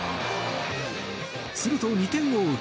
すると２点を追う